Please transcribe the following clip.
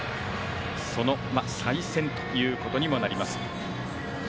その再戦ということにもなります。